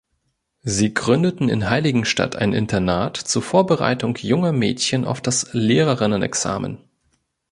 Sie gründeten in Heiligenstadt ein Internat zur Vorbereitung junger Mädchen auf das Lehrerinnenexamen.